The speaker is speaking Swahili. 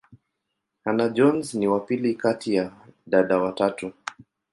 Hannah-Jones ni wa pili kati ya dada watatu.